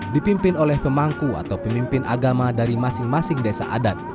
dipimpin oleh pemangku atau pemimpin agama dari masing masing desa adat